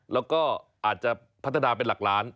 แล้วก็อาจจะพัฒนาเป็นหลักล้าน